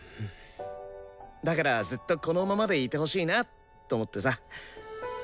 だからずっとこのままでいてほしいなと思ってさ。